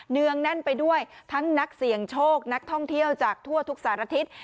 เนื่องแน่นไปด้วยทั้งนักเสี่ยงโชคนักท่องเที่ยวจากทั่วทุกสารทิศ